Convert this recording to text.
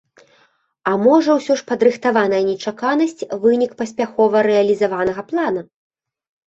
А можа, усё ж падрыхтаваная нечаканасць, вынік паспяхова рэалізаванага плана?